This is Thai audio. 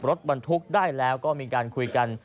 รถบรรทุกได้แล้วก็มีการคุยกัน